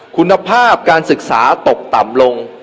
คุณภาพการศึกษาตกต่ำลง